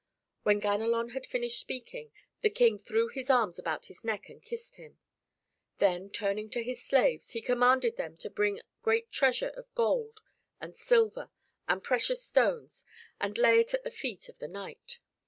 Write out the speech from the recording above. When Ganelon had finished speaking, the King threw his arms about his neck and kissed him. Then turning to his slaves, he commanded them to bring great treasure of gold, and silver and precious stones, and lay it at the feet of the knight.